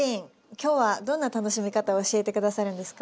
今日はどんな楽しみ方を教えて下さるんですか？